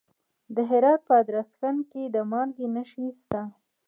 د هرات په ادرسکن کې د مالګې نښې شته.